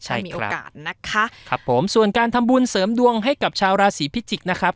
ใช่มีโอกาสนะคะครับผมส่วนการทำบุญเสริมดวงให้กับชาวราศีพิจิกษ์นะครับ